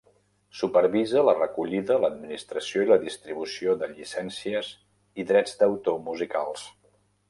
Supervisa la recollida, l'administració i la distribució de llicències i drets d'autor musicals.